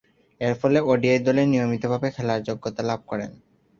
এরফলে ওডিআই দলে নিয়মিতভাবে খেলার যোগ্যতা লাভ করেন।